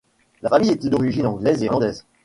La famille était d’origine anglaise et irlandaise.